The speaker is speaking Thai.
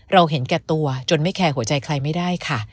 เห็นแก่ตัวจนไม่แคร์หัวใจใครไม่ได้ค่ะ